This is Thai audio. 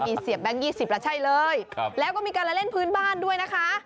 มีเสียบแบงค์๒๐แล้วใช่เลยแล้วก็มีการละเล่นพื้นบ้านด้วยนะคะ